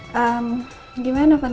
sangat tidak profesional